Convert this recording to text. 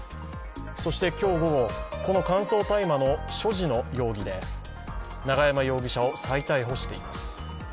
そして、今日午後この乾燥大麻の所持の容疑で永山容疑者を再逮捕しています。